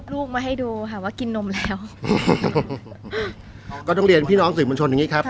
ลูกมาให้ดูค่ะว่ากินนมแล้วก็ต้องเรียนพี่น้องสื่อมวลชนอย่างงี้ครับ